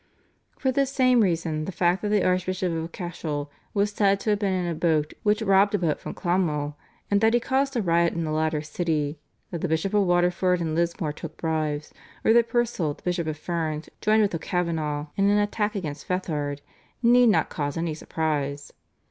For the same reason the fact that the Archbishop of Cashel was said to have been in a boat which robbed a boat from Clonmel and that he caused a riot in the latter city, that the Bishop of Waterford and Lismore took bribes, or that Purcell, the Bishop of Ferns, joined with O'Kavanagh in an attack upon Fethard need not cause any surprise.